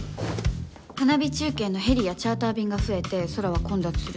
花火中継のヘリやチャーター便が増えて空は混雑するし。